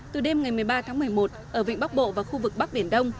từ đêm ngày một mươi ba tháng một mươi một ở vịnh bắc bộ và khu vực bắc biển đông